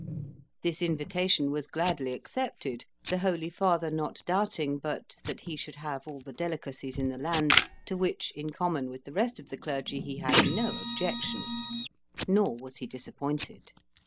This invitation was gladly accepted, the holy father not doubting but that he should have all the delicacies in the land, to which, in common with the rest of the clergy, he had no objection; nor was he disappointed.